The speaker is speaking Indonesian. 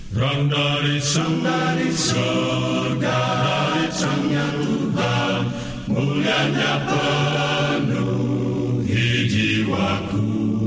perang dari surga rancangnya tuhan mulianya penuhi jiwaku